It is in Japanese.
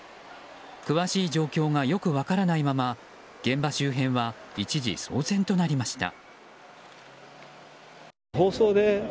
詳しい状況がよく分からないまま現場周辺は一時騒然となりました。